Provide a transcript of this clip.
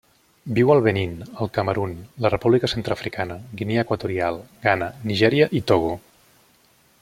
Viu al Benín, el Camerun, la República Centreafricana, Guinea Equatorial, Ghana, Nigèria i Togo.